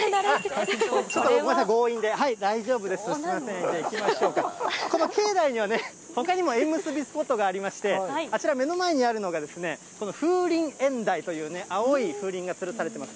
ちょっとごめんなさい、強引で、大丈夫です、行きましょうか、この境内には、ほかにも縁結びスポットがありまして、あちら、目の前にあるのがこの風鈴縁台というね、青い風鈴がつるされてます。